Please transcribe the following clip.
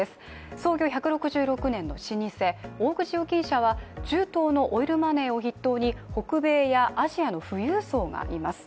創業１６６年の老舗大口預金者は中東のオイルマネーを筆頭に北米やアジアの富裕層がいます。